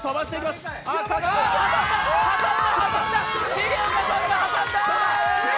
重岡さんが挟んだ！